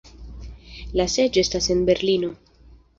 La seĝo estas en Berlino.